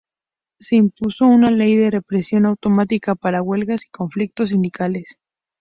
Se impuso una ley de represión automática para huelgas y conflictos sindicales.